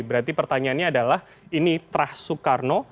berarti pertanyaannya adalah ini terah soekarno